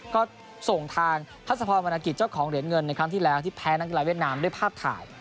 ก็ส่งทางทัศพรมนากิจเจ้าของเหรียญเงินในครั้งที่แล้วที่แพ้นักกีฬาเวียดนามด้วยภาพถ่าย